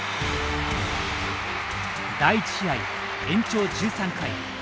第１試合延長１３回